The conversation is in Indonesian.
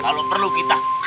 kalau perlu kita